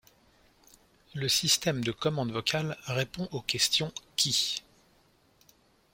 Le système de commande vocale répond aux questions qui?